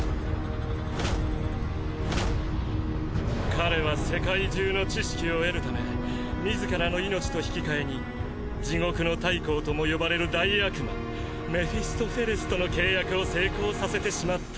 彼は世界中の知識を得るため自らの命と引き換えに地獄の大公とも呼ばれる大悪魔メフィストフェレスとの契約を成功させてしまった。